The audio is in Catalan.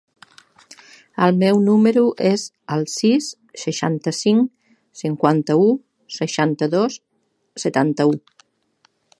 El meu número es el sis, seixanta-cinc, cinquanta-u, seixanta-dos, setanta-u.